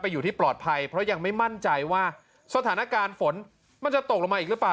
อยู่ที่ปลอดภัยเพราะยังไม่มั่นใจว่าสถานการณ์ฝนมันจะตกลงมาอีกหรือเปล่า